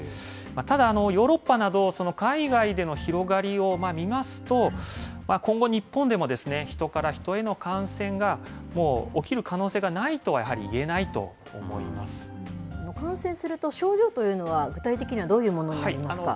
ただ、ヨーロッパなど海外での広がりを見ますと、今後、日本でもヒトからヒトへの感染がもう起きる可能性がないとは、感染すると、症状というのは具体的にはどういうものになりますか。